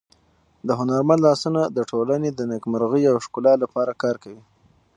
د هنرمند لاسونه د ټولنې د نېکمرغۍ او ښکلا لپاره کار کوي.